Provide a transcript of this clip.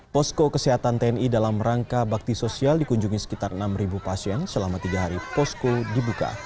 posko kesehatan tni dalam rangka bakti sosial dikunjungi sekitar enam pasien selama tiga hari posko dibuka